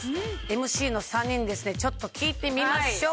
ＭＣの３人にちょっと聞いてみましょう。